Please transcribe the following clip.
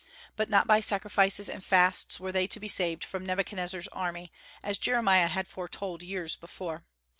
But not by sacrifices and fasts were they to be saved from Nebuchadnezzar's army, as Jeremiah had foretold years before.